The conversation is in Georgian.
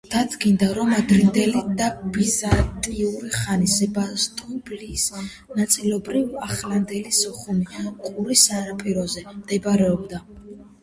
დადგინდა, რომ ადრინდელი და ბიზანტიური ხანის სებასტოპოლისი ნაწილობრივ ახლანდელი სოხუმის ყურის სანაპიროზე მდებარეობდა.